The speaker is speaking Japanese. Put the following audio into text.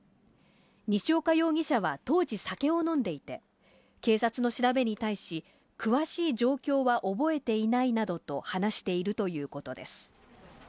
西岡容疑者は当時、酒を飲んでいて、警察の調べに対し、詳しい状況は覚えていないなどと話しているということです。